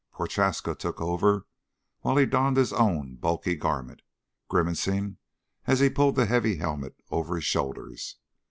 Prochaska took over while he donned his own bulky garment, grimacing as he pulled the heavy helmet over his shoulders.